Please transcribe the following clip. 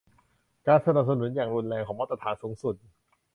การสนับสนุนอย่างรุนแรงของมาตรฐานสูงสุด